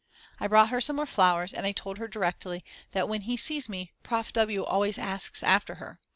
I brought her some more flowers and I told her directly that when he sees me Prof. W. always asks after her.